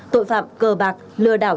tội phạm cờ bạc lừa đảo